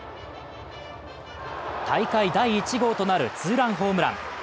大会第１号となるツーランホームラン。